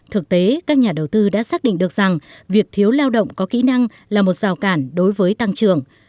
thực tế các nhà đầu tư đã xác định được rằng việc thiếu lao động có kỹ năng là một rào cản